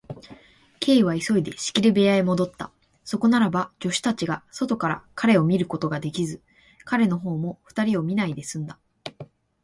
Ｋ は急いで仕切り部屋へもどった。そこならば、助手たちが外から彼を見ることができず、彼のほうも二人を見ないですんだ。